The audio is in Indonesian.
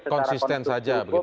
konsisten saja begitu ya